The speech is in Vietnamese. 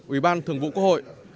ủy ban thường vụ quốc hội